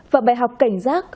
và bài học cảnh giác